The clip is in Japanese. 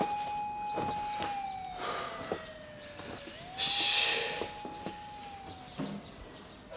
よし。